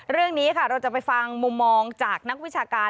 เรื่องนี้ค่ะเราจะไปฟังมุมมองจากนักวิชาการ